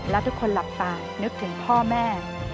แล้วทุกคนหลับตานึกถึงพ่อแม่